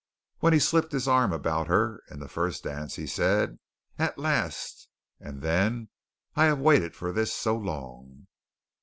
When he slipped his arm about her in the first dance he said, "At last!" And then: "I have waited for this so long."